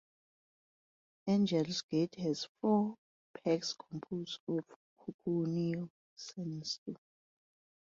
Angels Gate has four peaks composed of Coconino Sandstone.